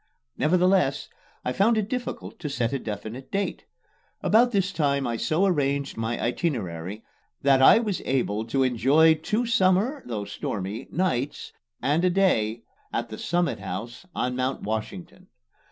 Nevertheless, I found it difficult to set a definite date. About this time I so arranged my itinerary that I was able to enjoy two summer though stormy nights and a day at the Summit House on Mount Washington.